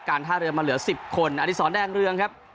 การท่าเรือมาเหลือสิบคนอันที่สองแดงเรืองครับ